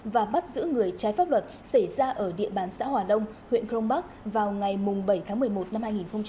và bắt giữ người trái pháp luật xảy ra ở địa bàn xã hòa đông huyện crong bắc vào ngày bảy tháng một mươi một năm hai nghìn hai mươi ba